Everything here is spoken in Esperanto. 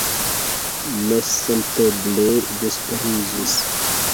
Nesenteble vesperiĝis.